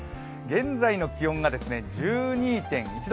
現在の気温が１２．１度。